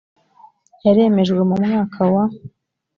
yaremejwe mu mwaka wa